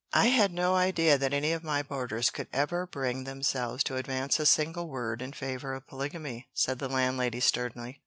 "I had no idea that any of my boarders could ever bring themselves to advance a single word in favor of polygamy," said the Landlady sternly.